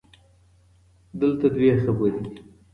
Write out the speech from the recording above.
دلته دوې خبري دي